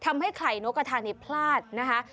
ทำให้ไข่นกกระทานนี้พลาดนะคะ